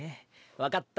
分かった。